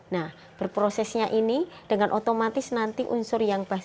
nah berprosesnya ini dengan otomatis nanti unsur yang positif akan dikonsumsi